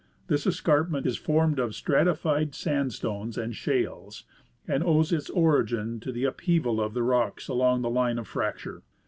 This escarpment is formed of stratified sandstones and shales, and owes its origin to the upheaval of the rocks along a line of frac ture.